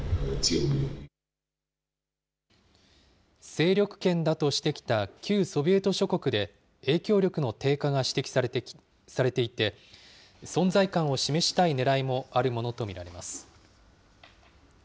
勢力圏だとしてきた旧ソビエト諸国で、影響力の低下が指摘されていて、存在感を示したいねらいもあるものと見られます。